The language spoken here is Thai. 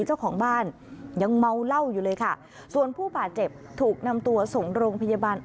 เจ้าของบ้านยังเมาเหล้าอยู่เลยค่ะส่วนผู้บาดเจ็บถูกนำตัวส่งโรงพยาบาล